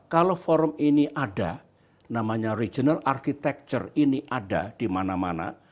kalau forum ini ada namanya regional arsitektur ini ada di mana mana